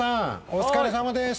お疲れさまです